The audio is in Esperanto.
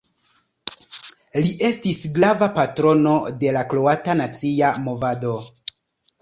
Li estis grava patrono de la kroata nacia movado.